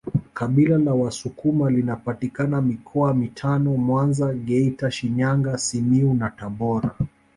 Kabila la wasukuma linapatikana mikoa mitano Mwanza Geita Shinyanga Simiyu na Tabora